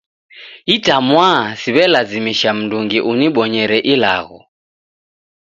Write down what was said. Itamwaa siwe'lazimisha mndungi uniboyere ilagho